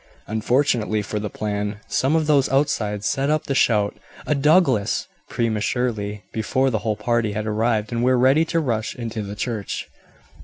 Unfortunately for the plan, some of those outside set up the shout, "A Douglas!" prematurely before the whole party had arrived and were ready to rush into the church.